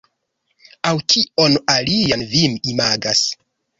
Aŭ kion alian vi imagas?